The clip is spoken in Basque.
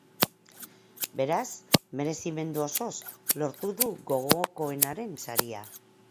Beraz, merezimendu osoz lortu du gogokoenaren saria.